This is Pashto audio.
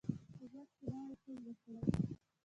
په ژوند کي نوی څه زده کړئ